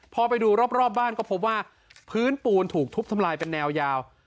พอไปดูรอบบ้านก็พบว่าพื้นปูนถูกทุบทำลายเป็นแนวยาว